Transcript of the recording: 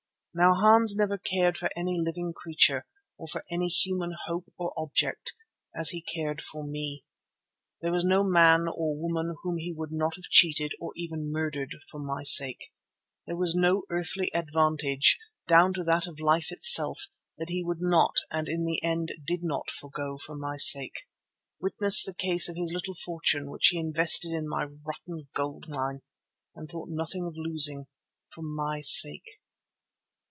Now Hans never cared for any living creature, or for any human hope or object, as he cared for me. There was no man or woman whom he would not have cheated, or even murdered for my sake. There was no earthly advantage, down to that of life itself, that he would not, and in the end did not forgo for my sake; witness the case of his little fortune which he invested in my rotten gold mine and thought nothing of losing—for my sake.